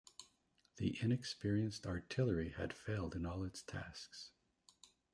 The inexperienced artillery had failed in all its tasks.